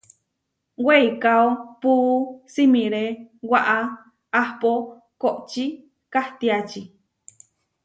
Weikáo puú simiré waʼá ahpó koʼočí kahtiači.